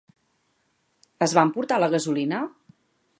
Es va emportar la gasolina?